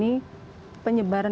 untuk menangani penyebaran